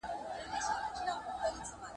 نور یې کښېښودل په منځ کي کبابونه